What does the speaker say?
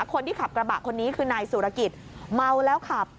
คนที่ขับกระบะคนนี้คือนายสุรกิจเมาแล้วขับ